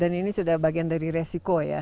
dan ini sudah bagian dari resiko ya